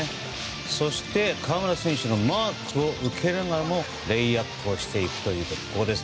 そして河村選手のマークを受けながらもレイアップをしていくという。